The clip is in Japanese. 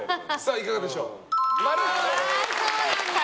いかがでしょう？